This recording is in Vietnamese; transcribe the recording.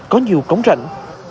có nhiều cống rảnh